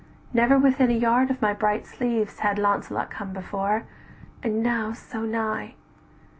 "Never within a yard of my bright sleeves Had Launcelot come before: and now so nigh!